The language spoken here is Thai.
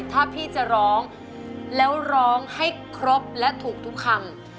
ถ้าพี่จะร้องแล้วร้องให้ครบและถูกทุกคำ